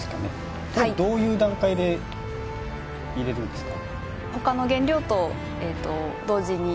はいこれどういう段階で入れるんですか？